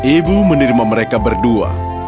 ibu menirma mereka berdua